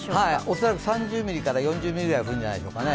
恐らく３０ミリから４０ミリぐらいは降るんじゃないでしょうか。